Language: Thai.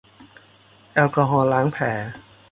แอลกอฮอล์ล้างแผล